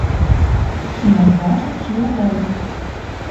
Шим ыжгажым чиӓлӓлӹн